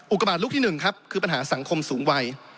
อุกบาทลูกที่๑ครับคือปัญหาสังคมสูงวัย